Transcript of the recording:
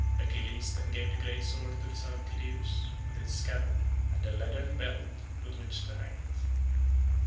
Achilles then gave the great sword to the son of Tydeus, with its scabbard, and the leathern belt with which to hang it.